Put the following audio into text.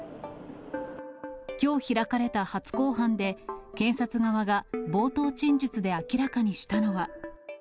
きょう開かれた初公判で、検察側が冒頭陳述で明らかにしたのは。